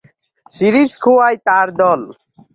Series খোঁয়ায় তার দল।